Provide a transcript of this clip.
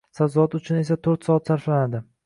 Sabzavot uchun esa to'rt soat sarflanadi.